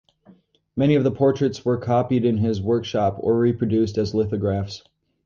Many of the portraits were copied in his workshop or reproduced as lithographs.